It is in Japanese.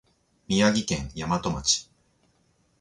宮城県大和町